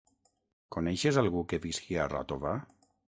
Coneixes algú que visqui a Ròtova?